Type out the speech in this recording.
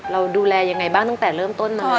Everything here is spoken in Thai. เราดูแลยังไงบ้างตั้งแต่เริ่มต้นมา